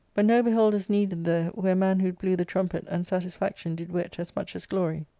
But no beholders needed there where manhood blew the trumpet and satisfaction did whet as much as glory.